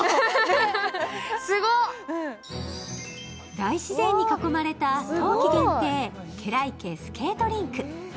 大自然に囲まれた冬季限定、ケラ池スケートリンク。